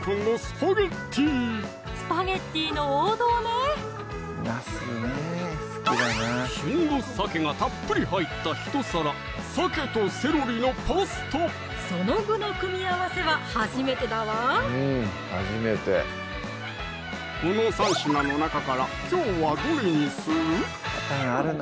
スパゲッティの王道ね旬の鮭がたっぷり入ったひと皿その具の組み合わせは初めてだわこの３品の中からきょうはどれにする？